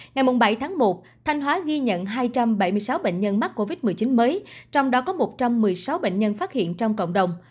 ngày bảy tháng một thanh hóa ghi nhận hai trăm bảy mươi sáu bệnh nhân mắc covid một mươi chín mới trong đó có một trăm một mươi sáu bệnh nhân phát hiện trong cộng đồng